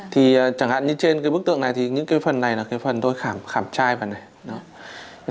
thì chẳng hạn như trên cái bức tượng này thì những cái phần này là cái phần tôi khảm chai vào này